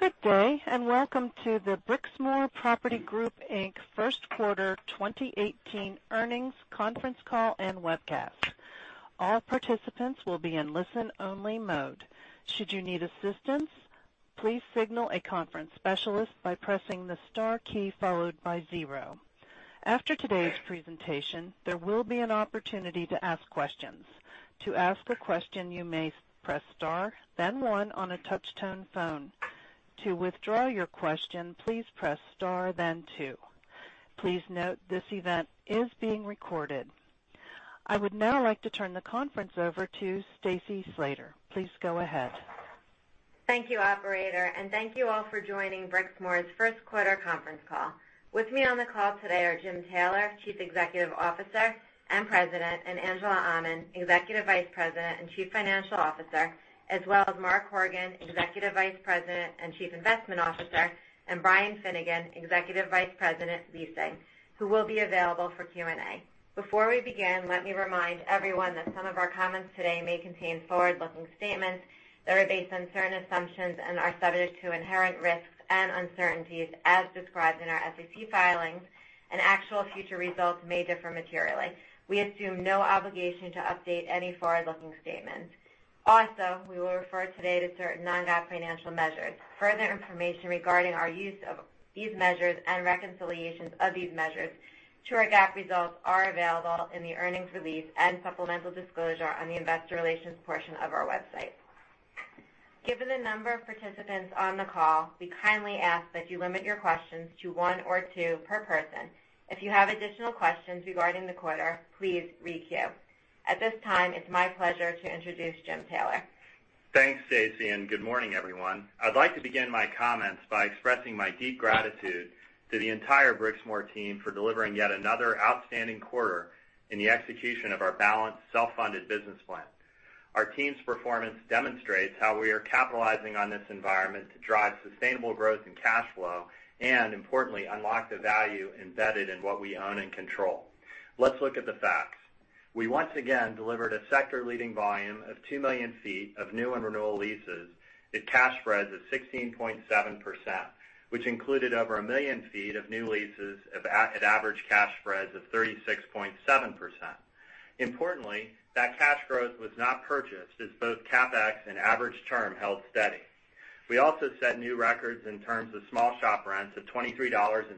Good day, and welcome to the Brixmor Property Group Inc. First Quarter 2018 Earnings Conference Call and Webcast. All participants will be in listen only mode. Should you need assistance, please signal a conference specialist by pressing the star key followed by zero. After today's presentation, there will be an opportunity to ask questions. To ask a question, you may press star, then one on a touch-tone phone. To withdraw your question, please press star, then two. Please note this event is being recorded. I would now like to turn the conference over to Stacy Slater. Please go ahead. Thank you, operator, and thank you all for joining Brixmor's first quarter conference call. With me on the call today are James Taylor, Chief Executive Officer and President, and Angela Aman, Executive Vice President and Chief Financial Officer, as well as Mark Horgan, Executive Vice President and Chief Investment Officer, and Brian Finnegan, Executive Vice President, Leasing, who will be available for Q&A. Before we begin, let me remind everyone that some of our comments today may contain forward-looking statements that are based on certain assumptions and are subject to inherent risks and uncertainties as described in our SEC filings, and actual future results may differ materially. We assume no obligation to update any forward-looking statements. We will refer today to certain non-GAAP financial measures. Further information regarding our use of these measures and reconciliations of these measures to our GAAP results are available in the earnings release and supplemental disclosure on the investor relations portion of our website. Given the number of participants on the call, we kindly ask that you limit your questions to one or two per person. If you have additional questions regarding the quarter, please re-queue. At this time, it's my pleasure to introduce James Taylor. Thanks, Stacy, and good morning, everyone. I'd like to begin my comments by expressing my deep gratitude to the entire Brixmor team for delivering yet another outstanding quarter in the execution of our balanced self-funded business plan. Our team's performance demonstrates how we are capitalizing on this environment to drive sustainable growth and cash flow, and importantly, unlock the value embedded in what we own and control. Let's look at the facts. We once again delivered a sector-leading volume of 2 million feet of new and renewal leases at cash spreads of 16.7%, which included over 1 million feet of new leases at average cash spreads of 36.7%. Importantly, that cash growth was not purchased, as both CapEx and average term held steady. We also set new records in terms of small shop rents of $23.56,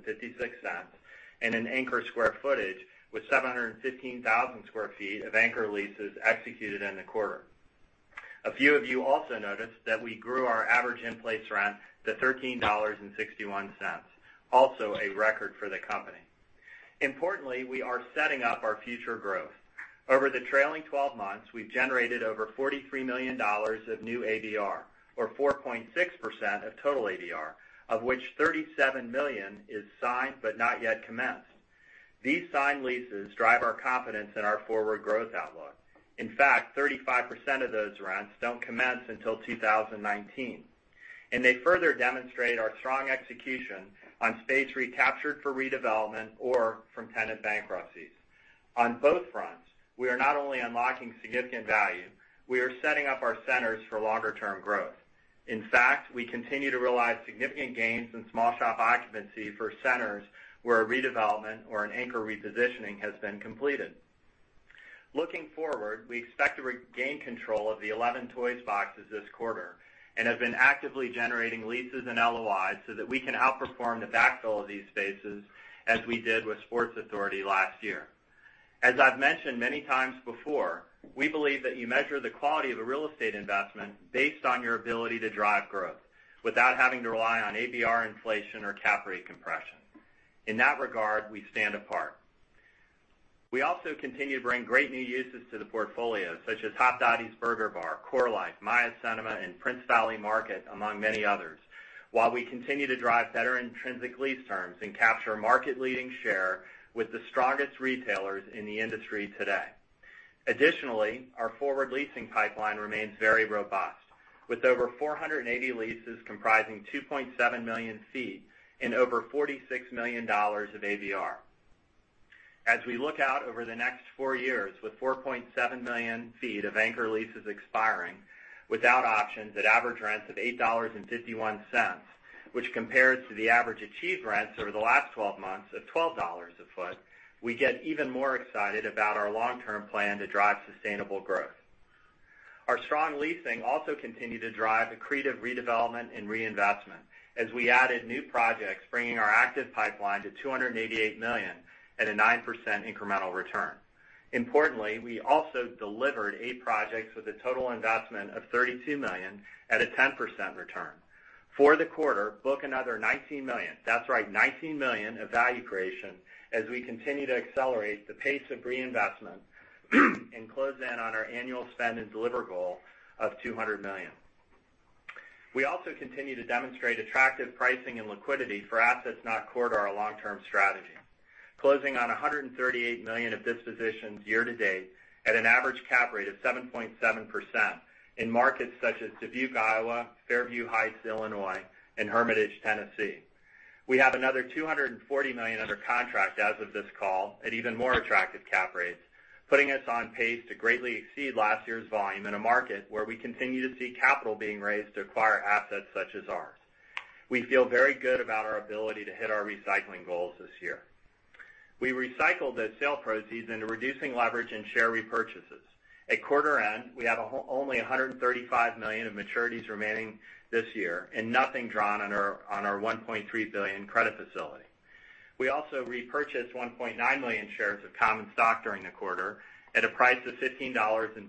and in anchor square footage with 715,000 square feet of anchor leases executed in the quarter. A few of you also noticed that we grew our average in-place rent to $13.61, also a record for the company. Importantly, we are setting up our future growth. Over the trailing 12 months, we've generated over $43 million of new ADR, or 4.6% of total ADR, of which $37 million is signed but not yet commenced. These signed leases drive our confidence in our forward growth outlook. In fact, 35% of those rents don't commence until 2019, and they further demonstrate our strong execution on space recaptured for redevelopment or from tenant bankruptcies. On both fronts, we are not only unlocking significant value, we are setting up our centers for longer-term growth. In fact, we continue to realize significant gains in small shop occupancy for centers where a redevelopment or an anchor repositioning has been completed. Looking forward, we expect to regain control of the 11 Toys boxes this quarter and have been actively generating leases and LOIs so that we can outperform the backfill of these spaces as we did with Sports Authority last year. As I've mentioned many times before, we believe that you measure the quality of a real estate investment based on your ability to drive growth without having to rely on ADR inflation or cap rate compression. In that regard, we stand apart. We also continue to bring great new uses to the portfolio, such as Hopdoddy Burger Bar, CoreLife, Maya Cinemas, and Prince Valley Market, among many others, while we continue to drive better intrinsic lease terms and capture market-leading share with the strongest retailers in the industry today. Additionally, our forward leasing pipeline remains very robust with over 480 leases comprising 2.7 million feet and over $46 million of ADR. As we look out over the next four years with 4.7 million feet of anchor leases expiring without options at average rents of $8.51, which compares to the average achieved rents over the last 12 months of $12 a foot, we get even more excited about our long-term plan to drive sustainable growth. Our strong leasing also continued to drive accretive redevelopment and reinvestment as we added new projects bringing our active pipeline to $288 million at a 9% incremental return. Importantly, we also delivered eight projects with a total investment of $32 million at a 10% return. For the quarter, book another $19 million. That's right, $19 million of value creation as we continue to accelerate the pace of reinvestment and close in on our annual spend and deliver goal of $200 million. We also continue to demonstrate attractive pricing and liquidity for assets not core to our long-term strategy. Closing on $138 million of dispositions year to date at an average cap rate of 7.7% in markets such as Dubuque, Iowa, Fairview Heights, Illinois, and Hermitage, Tennessee. We have another $240 million under contract as of this call at even more attractive cap rates, putting us on pace to greatly exceed last year's volume in a market where we continue to see capital being raised to acquire assets such as ours. We feel very good about our ability to hit our recycling goals this year. We recycled the sale proceeds into reducing leverage and share repurchases. At quarter end, we have only $135 million of maturities remaining this year and nothing drawn on our $1.3 billion credit facility. We also repurchased 1.9 million shares of common stock during the quarter at a price of $15.47,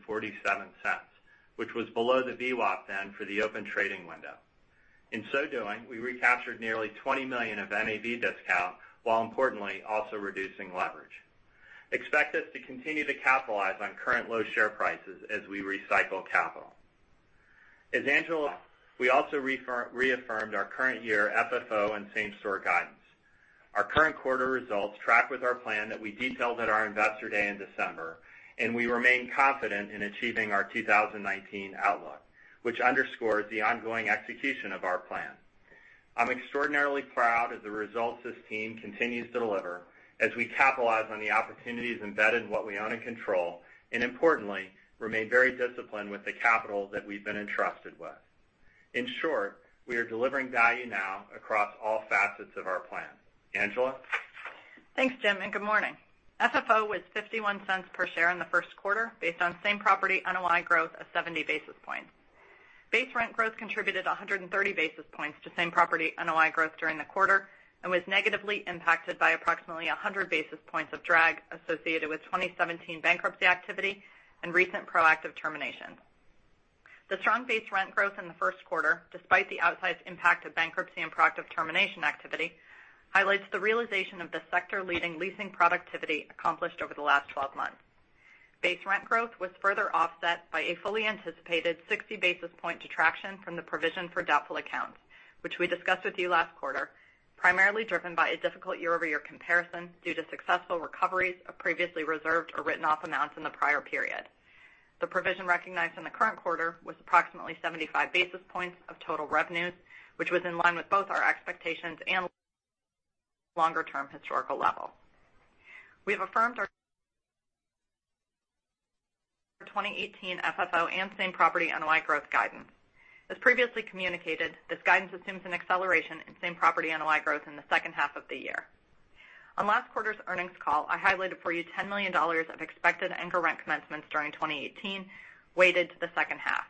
which was below the VWAP then for the open trading window. In so doing, we recaptured nearly $20 million of NAV discount, while importantly, also reducing leverage. Expect us to continue to capitalize on current low share prices as we recycle capital. We also reaffirmed our current year FFO and same-store guidance. Our current quarter results track with our plan that we detailed at our Investor Day in December, and we remain confident in achieving our 2019 outlook, which underscores the ongoing execution of our plan. I'm extraordinarily proud of the results this team continues to deliver as we capitalize on the opportunities embedded in what we own and control, and importantly, remain very disciplined with the capital that we've been entrusted with. In short, we are delivering value now across all facets of our plan. Angela? Thanks, Jim, and good morning. FFO was $0.51 per share in the first quarter, based on same-property NOI growth of 70 basis points. Base rent growth contributed 130 basis points to same-property NOI growth during the quarter and was negatively impacted by approximately 100 basis points of drag associated with 2017 bankruptcy activity and recent proactive terminations. The strong base rent growth in the first quarter, despite the outsized impact of bankruptcy and proactive termination activity, highlights the realization of the sector-leading leasing productivity accomplished over the last 12 months. Base rent growth was further offset by a fully anticipated 60 basis point detraction from the provision for doubtful accounts, which we discussed with you last quarter, primarily driven by a difficult year-over-year comparison due to successful recoveries of previously reserved or written-off amounts in the prior period. The provision recognized in the current quarter was approximately 75 basis points of total revenues, which was in line with both our expectations and longer-term historical level. We have affirmed our 2018 FFO and same-property NOI growth guidance. As previously communicated, this guidance assumes an acceleration in same-property NOI growth in the second half of the year. On last quarter's earnings call, I highlighted for you $10 million of expected anchor rent commencements during 2018, weighted to the second half.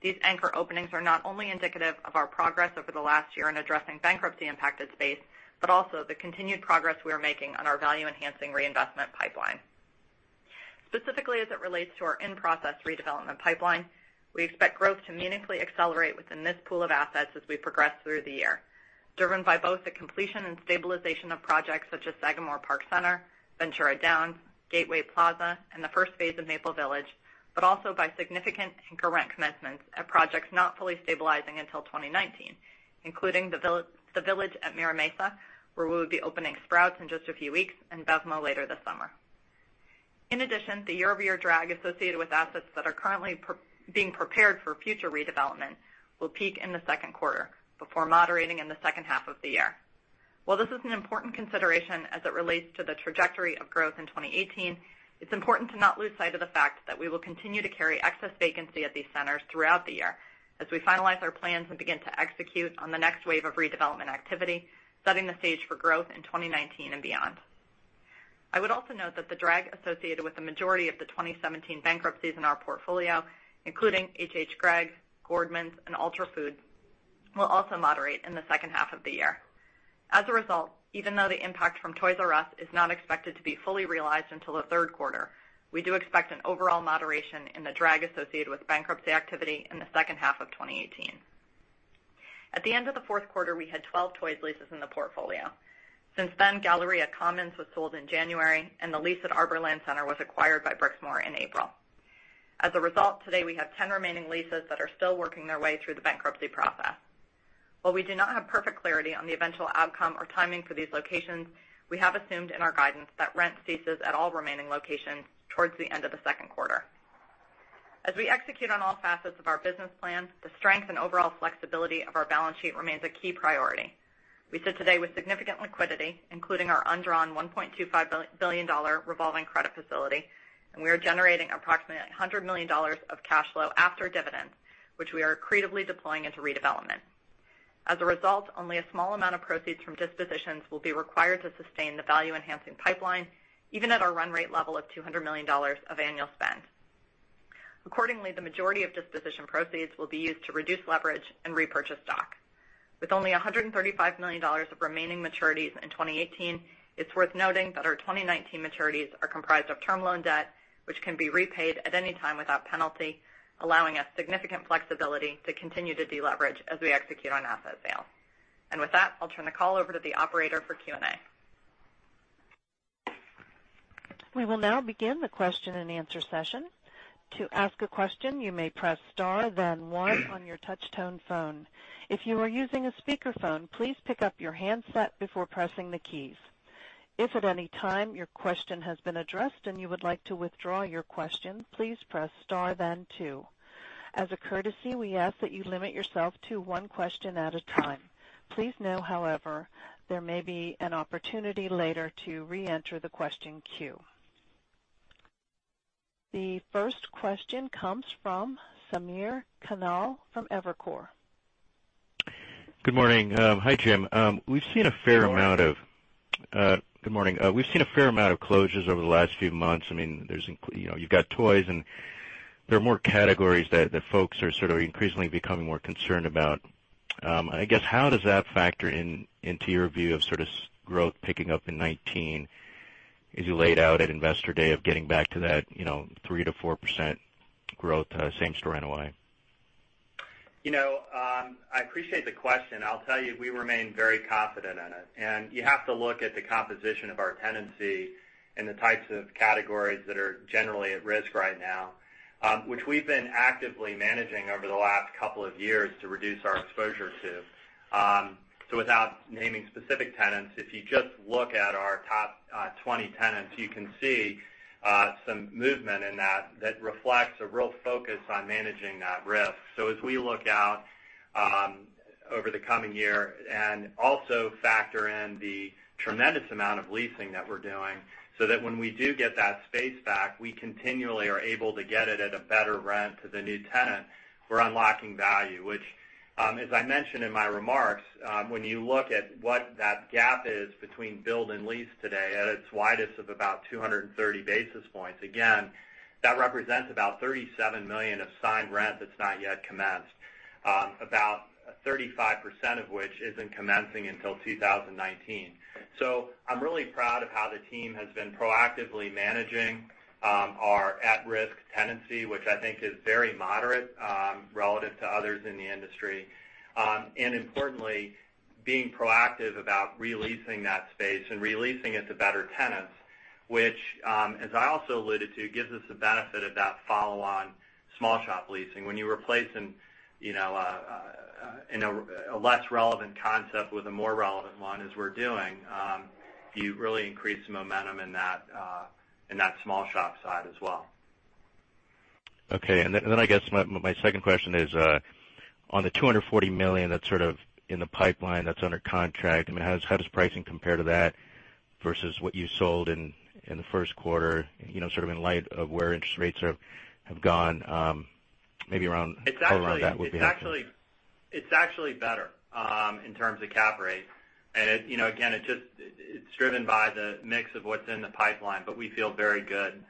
These anchor openings are not only indicative of our progress over the last year in addressing bankruptcy impacted space, but also the continued progress we are making on our value-enhancing reinvestment pipeline. Specifically, as it relates to our in-process redevelopment pipeline, we expect growth to meaningfully accelerate within this pool of assets as we progress through the year, driven by both the completion and stabilization of projects such as Sagamore Park Centre, Ventura Downs, Gateway Plaza, and the first phase of Maple Village, but also by significant anchor rent commencements at projects not fully stabilizing until 2019, including The Village at Mira Mesa, where we will be opening Sprouts in just a few weeks and BevMo! later this summer. In addition, the year-over-year drag associated with assets that are currently being prepared for future redevelopment will peak in the second quarter before moderating in the second half of the year. While this is an important consideration as it relates to the trajectory of growth in 2018, it's important to not lose sight of the fact that we will continue to carry excess vacancy at these centers throughout the year as we finalize our plans and begin to execute on the next wave of redevelopment activity, setting the stage for growth in 2019 and beyond. I would also note that the drag associated with the majority of the 2017 bankruptcies in our portfolio, including HHGregg, Gordmans, and Ultra Foods, will also moderate in the second half of the year. Even though the impact from Toys 'R' Us is not expected to be fully realized until the third quarter, we do expect an overall moderation in the drag associated with bankruptcy activity in the second half of 2018. At the end of the fourth quarter, we had 12 Toys leases in the portfolio. Since then, Galleria Commons was sold in January, and the lease at Arborland Center was acquired by Brixmor in April. Today we have 10 remaining leases that are still working their way through the bankruptcy process. While we do not have perfect clarity on the eventual outcome or timing for these locations, we have assumed in our guidance that rent ceases at all remaining locations towards the end of the second quarter. We execute on all facets of our business plan, the strength and overall flexibility of our balance sheet remains a key priority. We sit today with significant liquidity, including our undrawn $1.25 billion revolving credit facility, and we are generating approximately $100 million of cash flow after dividends, which we are creatively deploying into redevelopment. Only a small amount of proceeds from dispositions will be required to sustain the value-enhancing pipeline, even at our run rate level of $200 million of annual spend. The majority of disposition proceeds will be used to reduce leverage and repurchase stock. With only $135 million of remaining maturities in 2018, it's worth noting that our 2019 maturities are comprised of term loan debt, which can be repaid at any time without penalty, allowing us significant flexibility to continue to deleverage as we execute on asset sale. With that, I'll turn the call over to the operator for Q&A. We will now begin the question-and-answer session. To ask a question, you may press star then one on your touchtone phone. If you are using a speakerphone, please pick up your handset before pressing the keys. If at any time your question has been addressed and you would like to withdraw your question, please press star, then two. As a courtesy, we ask that you limit yourself to one question at a time. Please know, however, there may be an opportunity later to reenter the question queue. The first question comes from Samir Khanal from Evercore. Good morning. Hi, Jim. Good morning. Good morning. We've seen a fair amount of closures over the last few months. You've got Toys, there are more categories that folks are sort of increasingly becoming more concerned about. I guess, how does that factor into your view of sort of growth picking up in 2019 as you laid out at Investor Day of getting back to that 3%-4% growth, same-store NOI? I appreciate the question. I'll tell you, we remain very confident in it. You have to look at the composition of our tenancy and the types of categories that are generally at risk right now, which we've been actively managing over the last couple of years to reduce our exposure to. Without naming specific tenants, if you just look at our top 20 tenants, you can see some movement in that reflects a real focus on managing that risk. As we look out over the coming year, and also factor in the tremendous amount of leasing that we're doing, so that when we do get that space back, we continually are able to get it at a better rent to the new tenant. We're unlocking value, which, as I mentioned in my remarks, when you look at what that gap is between build and lease today, at its widest of about 230 basis points, again, that represents about $37 million of signed rent that's not yet commenced. About 35% of which isn't commencing until 2019. I'm really proud of how the team has been proactively managing our at-risk tenancy, which I think is very moderate relative to others in the industry. Importantly, being proactive about re-leasing that space and re-leasing it to better tenants, which, as I also alluded to, gives us the benefit of that follow-on small shop leasing. When you replace a less relevant concept with a more relevant one as we're doing, you really increase the momentum in that small shop side as well. Okay. Then I guess my second question is on the $240 million that's sort of in the pipeline, that's under contract, how does pricing compare to that versus what you sold in the first quarter? Sort of in light of where interest rates have gone, maybe around that would be interesting. It's actually better in terms of cap rate. Again, it's driven by the mix of what's in the pipeline, but we feel very good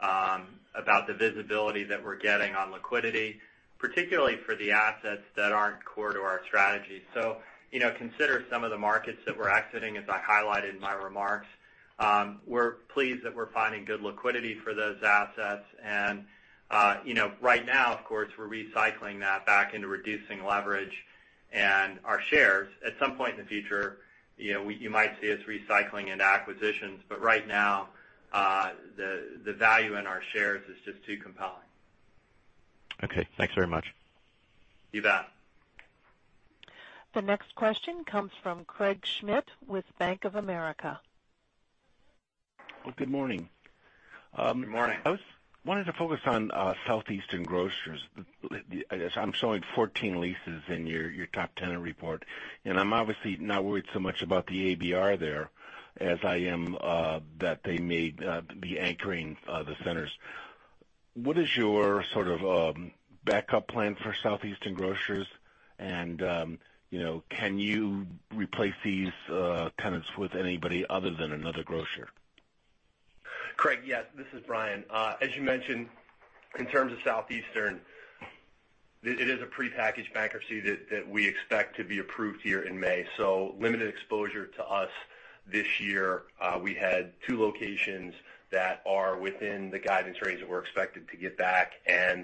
about the visibility that we're getting on liquidity, particularly for the assets that aren't core to our strategy. Consider some of the markets that we're exiting, as I highlighted in my remarks. We're pleased that we're finding good liquidity for those assets. Right now, of course, we're recycling that back into reducing leverage and our shares. At some point in the future, you might see us recycling into acquisitions. Right now, the value in our shares is just too compelling. Okay. Thanks very much. You bet. The next question comes from Craig Schmidt with Bank of America. Well, good morning. Good morning. I wanted to focus on Southeastern Grocers. I'm showing 14 leases in your top tenant report. I'm obviously not worried so much about the ABR there as I am that they may be anchoring the centers. What is your sort of backup plan for Southeastern Grocers? Can you replace these tenants with anybody other than another grocer? Craig, yes. This is Brian. As you mentioned, in terms of Southeastern, it is a prepackaged bankruptcy that we expect to be approved here in May. Limited exposure to us this year. We had two locations that are within the guidance range that we're expected to get back.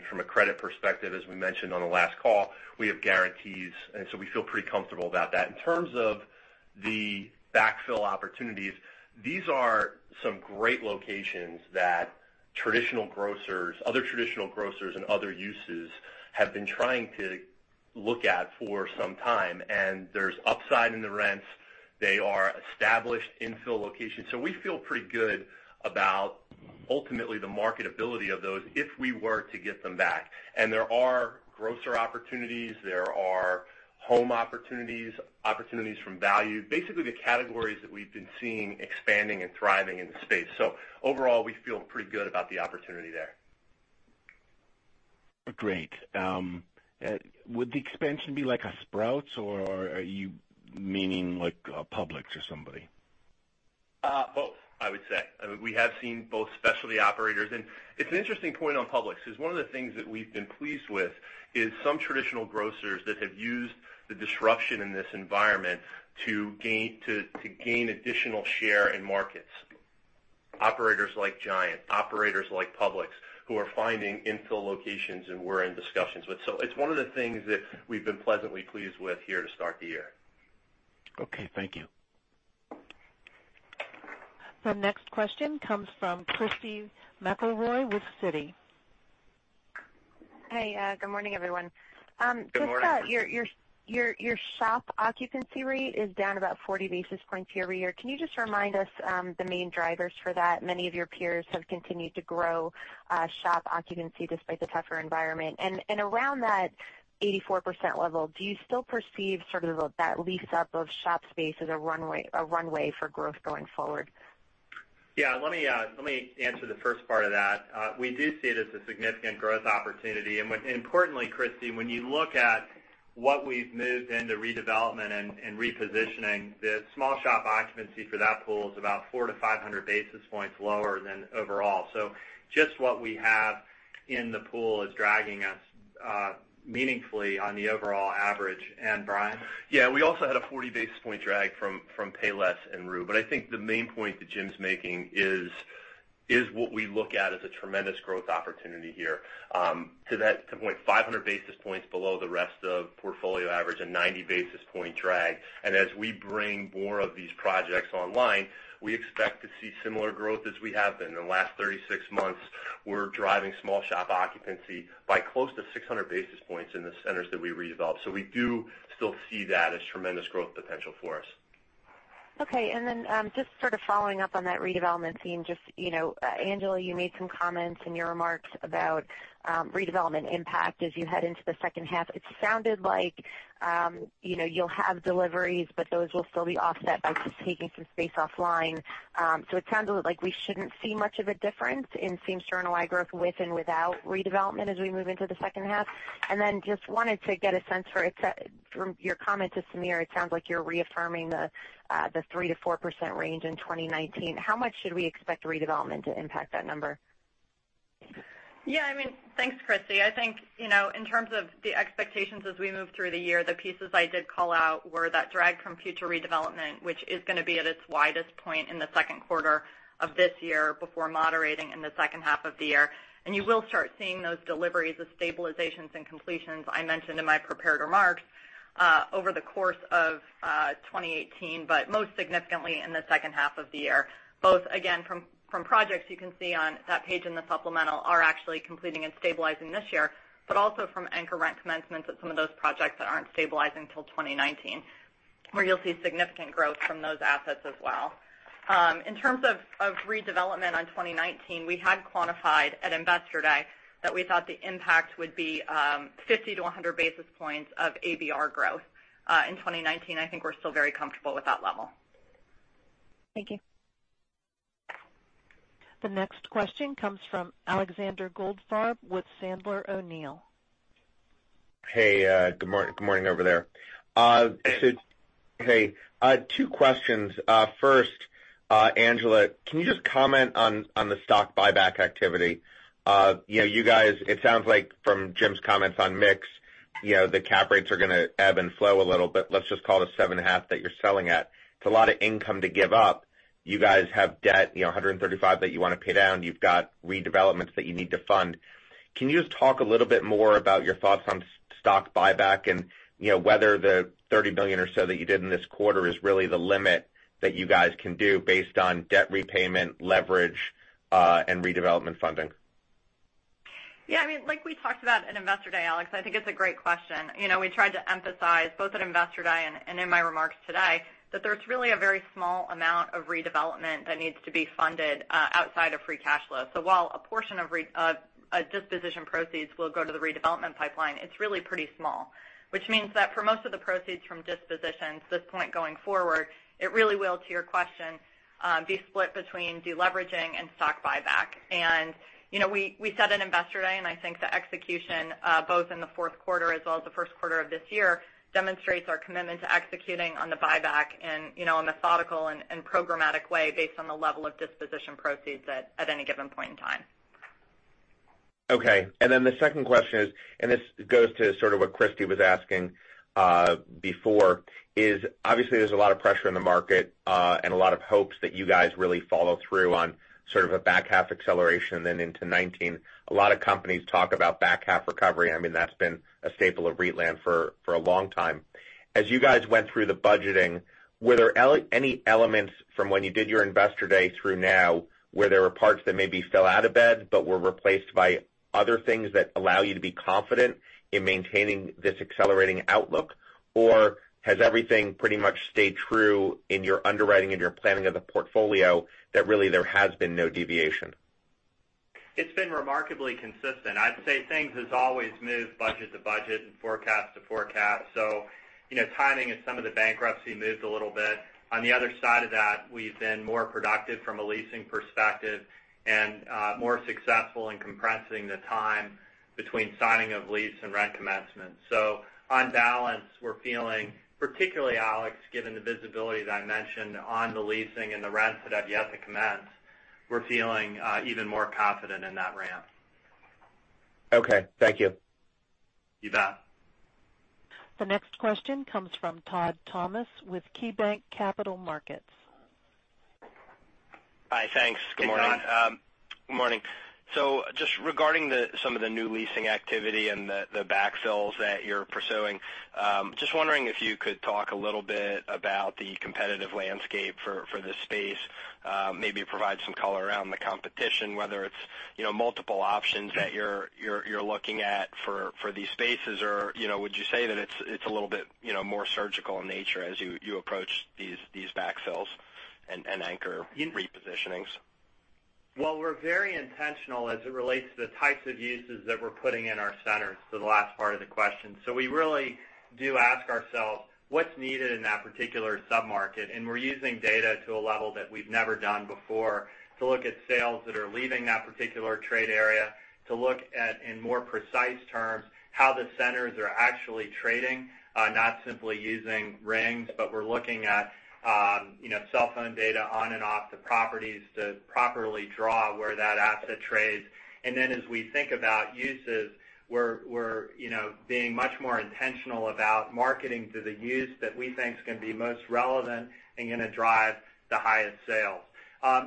From a credit perspective, as we mentioned on the last call, we have guarantees. We feel pretty comfortable about that. In terms of the backfill opportunities, these are some great locations that other traditional grocers and other uses have been trying to look at for some time. There's upside in the rents. They are established infill locations. We feel pretty good about ultimately the marketability of those if we were to get them back. There are grocer opportunities, there are home opportunities from value. Basically, the categories that we've been seeing expanding and thriving in the space. Overall, we feel pretty good about the opportunity there. Great. Would the expansion be like a Sprouts, or are you meaning like a Publix or somebody? Both, I would say. We have seen both specialty operators. It's an interesting point on Publix, because one of the things that we've been pleased with is some traditional grocers that have used the disruption in this environment to gain additional share in markets. Operators like Giant, operators like Publix, who are finding infill locations, and we're in discussions with. It's one of the things that we've been pleasantly pleased with here to start the year. Okay. Thank you. The next question comes from Christy McElroy with Citi. Hey, good morning, everyone. Good morning. Just your shop occupancy rate is down about 40 basis points year-over-year. Can you just remind us the main drivers for that? Many of your peers have continued to grow shop occupancy despite the tougher environment. Around that 84% level, do you still perceive sort of that lease-up of shop space as a runway for growth going forward? Yeah. Let me answer the first part of that. We do see it as a significant growth opportunity. Importantly, Christy McElroy, when you look at what we've moved into redevelopment and repositioning, the small shop occupancy for that pool is about 400 to 500 basis points lower than overall. Just what we have in the pool is dragging us meaningfully on the overall average. Brian Finnegan? Yeah, we also had a 40 basis point drag from Payless and Rue. I think the main point that Jim Taylor's making is what we look at as a tremendous growth opportunity here. To that point, 500 basis points below the rest of portfolio average and 90 basis point drag. As we bring more of these projects online, we expect to see similar growth as we have been. In the last 36 months, we're driving small shop occupancy by close to 600 basis points in the centers that we redevelop. We do still see that as tremendous growth potential for us. Okay. Just sort of following up on that redevelopment theme, Angela Aman, you made some comments in your remarks about redevelopment impact as you head into the second half. It sounded like you'll have deliveries, but those will still be offset by taking some space offline. It sounds like we shouldn't see much of a difference in same-store NOI growth with and without redevelopment as we move into the second half. Just wanted to get a sense for it, from your comment to Samir Khanal, it sounds like you're reaffirming the 3%-4% range in 2019. How much should we expect redevelopment to impact that number? Yeah. Thanks, Christy McElroy. I think, in terms of the expectations as we move through the year, the pieces I did call out were that drag from future redevelopment, which is going to be at its widest point in the second quarter of this year before moderating in the second half of the year. You will start seeing those deliveries of stabilizations and completions I mentioned in my prepared remarks, over the course of 2018, but most significantly in the second half of the year. Both, again, from projects you can see on that page in the supplemental are actually completing and stabilizing this year, but also from anchor rent commencements at some of those projects that aren't stabilizing till 2019, where you'll see significant growth from those assets as well. In terms of redevelopment on 2019, we had quantified at Investor Day that we thought the impact would be 50 to 100 basis points of ABR growth. In 2019, I think we're still very comfortable with that level. Thank you. The next question comes from Alexander Goldfarb with Sandler O'Neill. Hey, good morning over there. Two questions. First, Angela, can you just comment on the stock buyback activity? You guys, it sounds like from Jim's comments on mix, the cap rates are going to ebb and flow a little bit. Let's just call it seven and a half that you're selling at. It's a lot of income to give up. You guys have debt, $135 that you want to pay down. You've got redevelopments that you need to fund. Can you just talk a little bit more about your thoughts on stock buyback and whether the $30 million or so that you did in this quarter is really the limit that you guys can do based on debt repayment, leverage, and redevelopment funding? Yeah. Like we talked about at Investor Day, Alex, I think it is a great question. We tried to emphasize both at Investor Day and in my remarks today that there is really a very small amount of redevelopment that needs to be funded outside of free cash flow. While a portion of disposition proceeds will go to the redevelopment pipeline, it is really pretty small, which means that for most of the proceeds from dispositions this point going forward, it really will, to your question, be split between de-leveraging and stock buyback. We said at Investor Day, and I think the execution, both in the fourth quarter as well as the first quarter of this year, demonstrates our commitment to executing on the buyback in a methodical and programmatic way based on the level of disposition proceeds at any given point in time. Okay. The second question is, and this goes to sort of what Christy was asking before, is obviously there is a lot of pressure in the market, and a lot of hopes that you guys really follow through on sort of a back-half acceleration into 2019. A lot of companies talk about back-half recovery. That has been a staple of REIT land for a long time. As you guys went through the budgeting, were there any elements from when you did your Investor Day through now where there were parts that maybe fell out of bed but were replaced by other things that allow you to be confident in maintaining this accelerating outlook? Has everything pretty much stayed true in your underwriting and your planning of the portfolio that really there has been no deviation? It has been remarkably consistent. I would say things as always move budget to budget and forecast to forecast. Timing as some of the bankruptcy moved a little bit. On the other side of that, we have been more productive from a leasing perspective and more successful in compressing the time between signing of lease and rent commencement. On balance, we are feeling particularly, Alex, given the visibility that I mentioned on the leasing and the rents that have yet to commence, we are feeling even more confident in that ramp. Okay. Thank you. You bet. The next question comes from Todd Thomas with KeyBanc Capital Markets. Hi, thanks. Good morning. Good morning. Good morning. Just regarding some of the new leasing activity and the backfills that you're pursuing, just wondering if you could talk a little bit about the competitive landscape for this space. Maybe provide some color around the competition, whether it's multiple options that you're looking at for these spaces, or would you say that it's a little bit more surgical in nature as you approach these backfills and anchor repositionings? Well, we're very intentional as it relates to the types of uses that we're putting in our centers, to the last part of the question. We really do ask ourselves what's needed in that particular sub-market, and we're using data to a level that we've never done before to look at sales that are leaving that particular trade area, to look at, in more precise terms, how the centers are actually trading, not simply using rings, but we're looking at cell phone data on and off the properties to properly draw where that asset trades. As we think about uses, we're being much more intentional about marketing to the use that we think is going to be most relevant and going to drive the highest sales.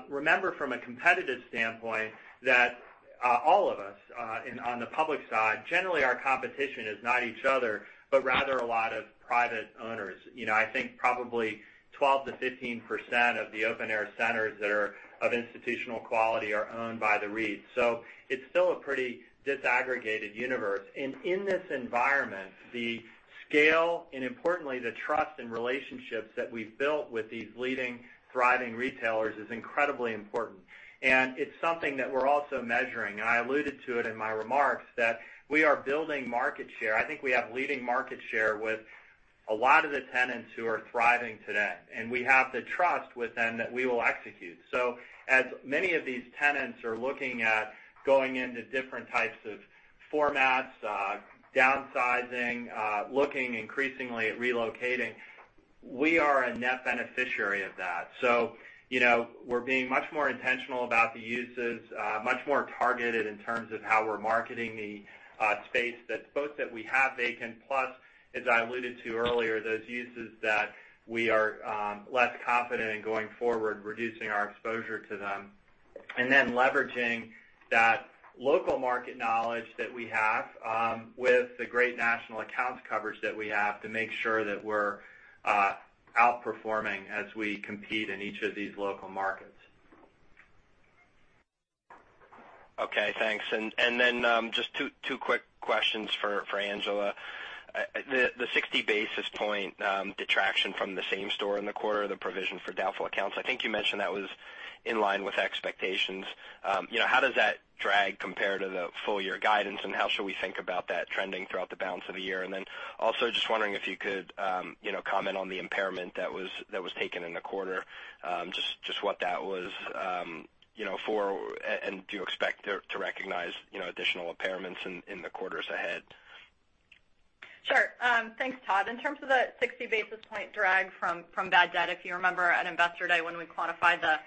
Remember, from a competitive standpoint, that all of us on the public side, generally, our competition is not each other, but rather a lot of private owners. I think probably 12%-15% of the open-air centers that are of institutional quality are owned by the REITs. It's still a pretty disaggregated universe. In this environment, the scale, and importantly, the trust and relationships that we've built with these leading thriving retailers is incredibly important. It's something that we're also measuring, and I alluded to it in my remarks, that we are building market share. I think we have leading market share with a lot of the tenants who are thriving today, and we have the trust with them that we will execute. As many of these tenants are looking at going into different types of formats, downsizing, looking increasingly at relocating, we are a net beneficiary of that. We're being much more intentional about the uses, much more targeted in terms of how we're marketing the space that both that we have vacant, plus, as I alluded to earlier, those uses that we are less confident in going forward, reducing our exposure to them. Leveraging that local market knowledge that we have with the great national accounts coverage that we have to make sure that we're outperforming as we compete in each of these local markets. Okay, thanks. Just two quick questions for Angela. The 60 basis point detraction from the same store in the quarter, the provision for doubtful accounts, I think you mentioned that was in line with expectations. How does that drag compare to the full-year guidance, and how should we think about that trending throughout the balance of the year? Also just wondering if you could comment on the impairment that was taken in the quarter, just what that was for, and do you expect to recognize additional impairments in the quarters ahead? Sure. Thanks, Todd. In terms of the 60 basis point drag from bad debt, if you remember at Investor Day when we quantified the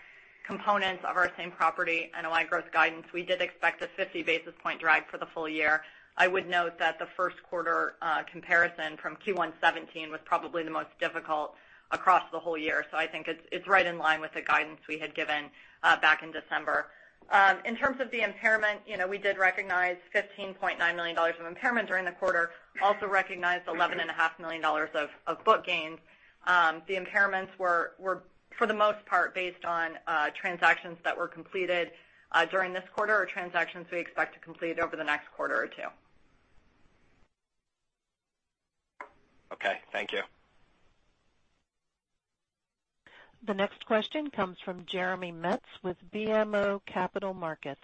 components of our same property NOI growth guidance, we did expect a 50 basis point drag for the full year. I would note that the first quarter comparison from Q1 2017 was probably the most difficult across the whole year. I think it's right in line with the guidance we had given back in December. In terms of the impairment, we did recognize $15.9 million of impairment during the quarter, also recognized $11.5 million of book gains. The impairments were, for the most part, based on transactions that were completed during this quarter or transactions we expect to complete over the next quarter or two. Okay, thank you. The next question comes from Jeremy Metz with BMO Capital Markets.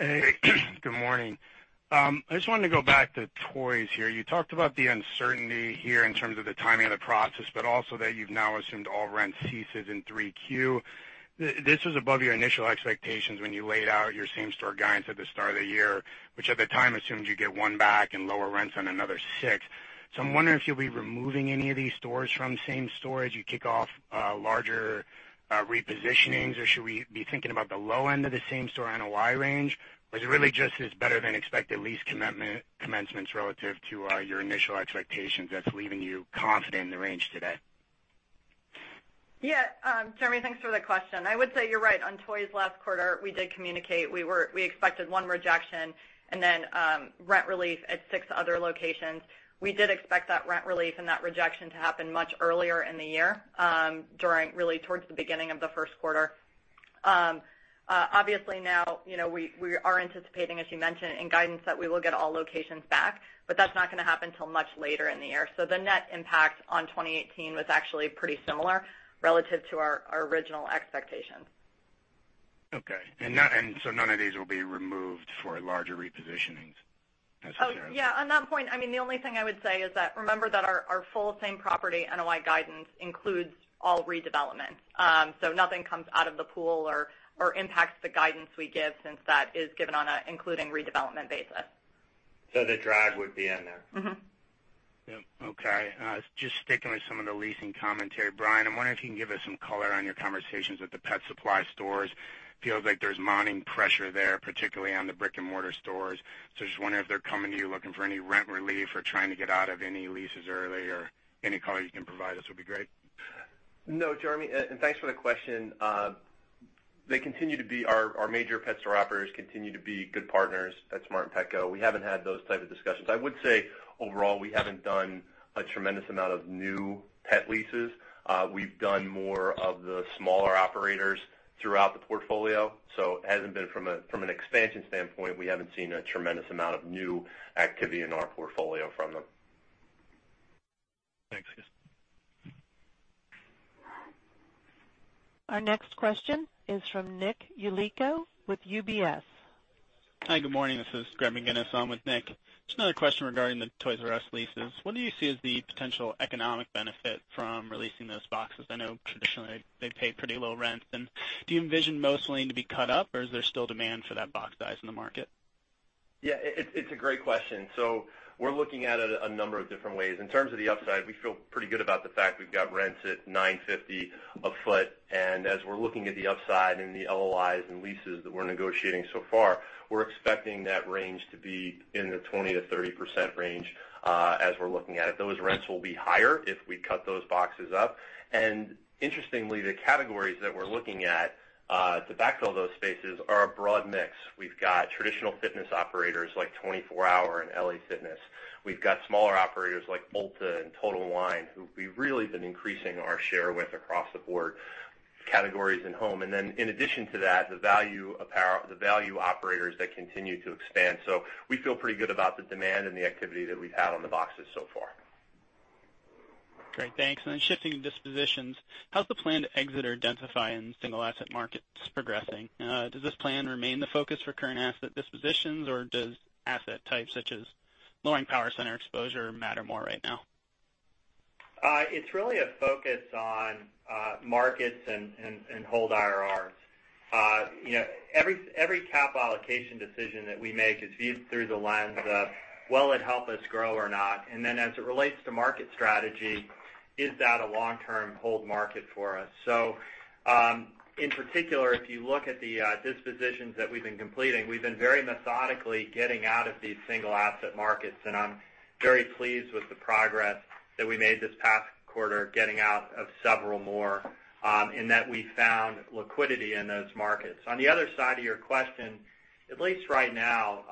Good morning. I just wanted to go back to toys here. You talked about the uncertainty here in terms of the timing of the process, but also that you've now assumed all rent ceases in 3Q. This was above your initial expectations when you laid out your same store guidance at the start of the year, which at the time assumed you'd get one back and lower rents on another six. I'm wondering if you'll be removing any of these stores from same store as you kick off larger repositionings, or should we be thinking about the low end of the same store NOI range? Is it really just this better-than-expected lease commencements relative to your initial expectations that's leaving you confident in the range today? Jeremy, thanks for the question. I would say you're right. On toys last quarter, we did communicate, we expected one rejection and then rent relief at six other locations. We did expect that rent relief and that rejection to happen much earlier in the year, during really towards the beginning of the first quarter. Obviously now, we are anticipating, as you mentioned, in guidance that we will get all locations back, but that's not going to happen till much later in the year. The net impact on 2018 was actually pretty similar relative to our original expectations. Okay. None of these will be removed for larger repositionings necessarily? Oh, yeah. On that point, the only thing I would say is that, remember that our full same property NOI guidance includes all redevelopments. Nothing comes out of the pool or impacts the guidance we give since that is given on an including redevelopment basis. The drag would be in there. Yep. Okay. Just sticking with some of the leasing commentary. Brian, I'm wondering if you can give us some color on your conversations with the pet supply stores. Feels like there's mounting pressure there, particularly on the brick and mortar stores. Just wondering if they're coming to you looking for any rent relief or trying to get out of any leases early or any color you can provide us would be great. No, Jeremy, and thanks for the question. Our major pet store operators continue to be good partners at PetSmart and Petco. We haven't had those type of discussions. I would say, overall, we haven't done a tremendous amount of new pet leases. We've done more of the smaller operators throughout the portfolio. From an expansion standpoint, we haven't seen a tremendous amount of new activity in our portfolio from them. Thanks. Our next question is from Nick Yulico with UBS. Hi, good morning. This is Graeme Guinness on with Nick. Just another question regarding the Toys R Us leases. What do you see as the potential economic benefit from releasing those boxes? I know traditionally they pay pretty low rents. Do you envision most of them to be cut up, or is there still demand for that box size in the market? Yeah. It's a great question. We're looking at it a number of different ways. In terms of the upside, we feel pretty good about the fact we've got rents at $9.50 a foot. As we're looking at the upside and the LOIs and leases that we're negotiating so far, we're expecting that range to be in the 20%-30% range, as we're looking at it. Those rents will be higher if we cut those boxes up. Interestingly, the categories that we're looking at to backfill those spaces are a broad mix. We've got traditional fitness operators like 24 Hour and LA Fitness. We've got smaller operators like BevMo! and Total Wine, who we've really been increasing our share with across the board, categories and home. In addition to that, the value operators that continue to expand. We feel pretty good about the demand and the activity that we've had on the boxes so far. Great, thanks. Shifting to dispositions, how's the plan to exit or densify in single asset markets progressing? Does this plan remain the focus for current asset dispositions, or does asset types such as lowering power center exposure matter more right now? It's really a focus on markets and hold IRRs. Every capital allocation decision that we make is viewed through the lens of, will it help us grow or not? As it relates to market strategy, is that a long-term hold market for us? In particular, if you look at the dispositions that we've been completing, we've been very methodically getting out of these single asset markets. I'm very pleased with the progress that we made this past quarter, getting out of several more, and that we found liquidity in those markets. On the other side of your question, at least right now,